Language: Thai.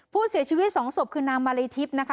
ผู้เสียชีวิต๒ทศพคือนางมาลิทีฟนะคะ